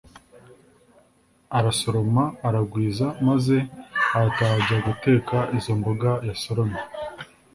Arasoroma aragwiza, maze arataha ajya guteka izo mboga yasoromye